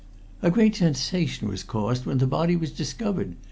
"A great sensation was caused when the body was discovered.